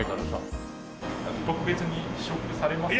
特別に試食されますか？